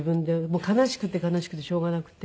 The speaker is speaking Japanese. もう悲しくて悲しくてしょうがなくて。